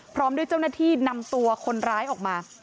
พร้อมด้วยเจ้าหน้าที่นำตัวคนร้ายออกมา